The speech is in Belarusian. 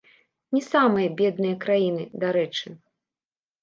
Не самыя бедныя краіны, дарэчы.